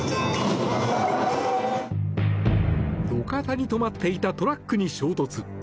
路肩に止まっていたトラックに衝突。